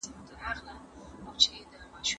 زه بايد کتابونه وليکم؟؟